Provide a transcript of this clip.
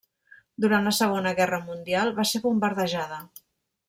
Durant la segona guerra mundial va ser bombardejada.